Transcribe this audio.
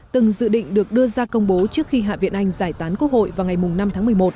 từng dự định được đưa ra công bố trước khi hạ viện anh giải tán quốc hội vào ngày năm tháng một mươi một